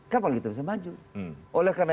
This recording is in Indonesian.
kapan kita bisa maju oleh karena